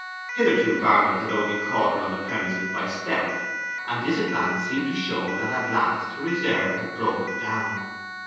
Hitherto Barnet had only caught her on the premises by stealth; and this advance seemed to show that at last her reserve had broken down.